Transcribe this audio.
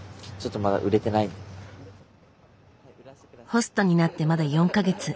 ホストになってまだ４か月。